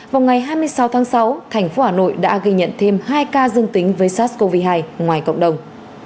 vào ngày hai mươi sáu tháng sáu thành phố hà nội đã ghi nhận thêm hai ca dương tính với sars cov hai ngoài cộng đồng